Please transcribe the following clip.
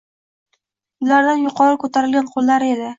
Ularning yuqori ko‘tarilgan qo‘llari edi.